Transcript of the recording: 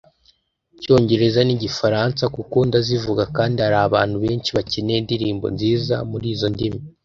Icyongereza n’Igifaransa) kuko ndazivuga kandi hari abantu benshi bakeneye indirimbo nziza muri izo ndimi